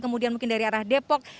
kemudian mungkin dari arah depok